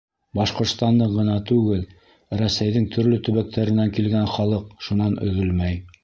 Башҡортостандың ғына түгел, Рәсәйҙең төрлө төбәктәренән килгән халыҡ шунан өҙөлмәй.